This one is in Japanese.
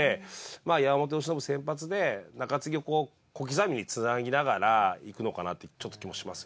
まあ山本由伸先発で中継ぎを小刻みにつなぎながらいくのかなという気もしますよね。